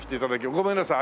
ごめんなさい。